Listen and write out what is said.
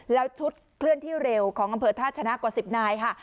แล้วชุดเคลื่อนที่เร็วของอำเภอท่าชนะกว่า๑๐นายค่ะ